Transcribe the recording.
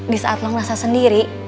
disaat lo ngerasa sendiri